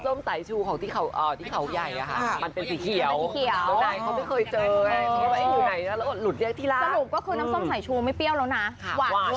เหมือนกับสี่อย่างอะค่ะ